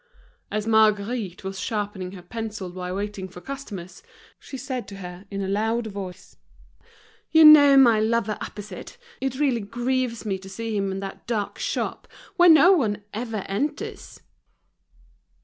As Marguerite was sharpening her pencil while waiting for customers, she said to her, in a loud voice: "You know my lover opposite. It really grieves me to see him in that dark shop, where no one ever enters."